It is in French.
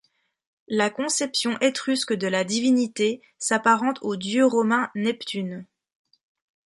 La conception étrusque de la divinité s'apparente au dieu romain Neptune.